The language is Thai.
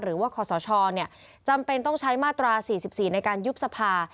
หรือว่าคศจำเป็นต้องใช้มาตรา๔๔ในการยุบสภา